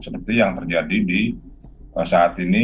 seperti yang terjadi di saat ini